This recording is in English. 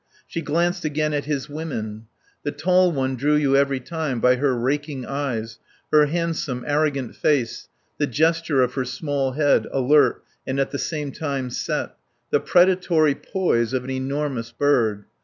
She glanced again at his women. The tall one drew you every time by her raking eyes, her handsome, arrogant face, the gesture of her small head, alert and at the same time set, the predatory poise of an enormous bird.